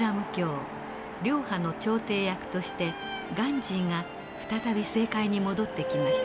両派の調停役としてガンジーが再び政界に戻ってきました。